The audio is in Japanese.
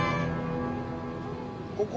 ここ。